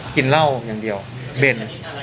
กินเล่ายังเดียวเบล